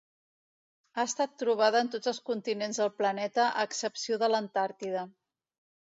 Ha estat trobada en tots els continents del planeta a excepció de l'Antàrtida.